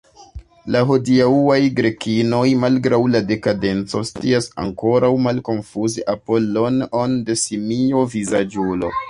La hodiaŭaj Grekinoj, malgraŭ la dekadenco, scias ankoraŭ malkonfuzi Apollon'on de simiovizaĝulo.